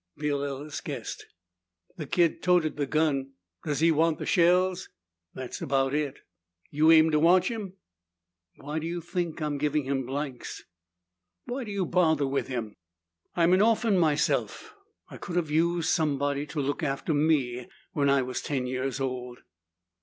Bill Ellis guessed, "The kid toted the gun. Does he want the shells?" "That's about it." "You aim to watch him?" "Why do you think I'm giving him blanks?" "Why do you bother with him?" "I'm an orphan myself. I could have used somebody to look after me when I was ten years old."